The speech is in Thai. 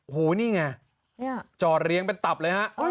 โอ้โหนี่ไงจอดเรียงเป็นตับเลยฮะ